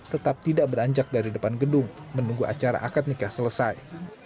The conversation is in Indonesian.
tetap tidak beranjak dari depan gedung menunggu acara akad nikah selesai